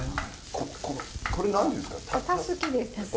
このこれ何ですか？